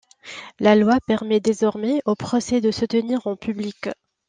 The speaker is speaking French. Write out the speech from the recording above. La loi permet désormais au procès de se tenir en public.